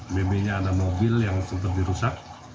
bb nya ada mobil yang sempat dirusak